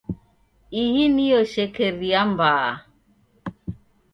Ihi nio shekeria mbaa.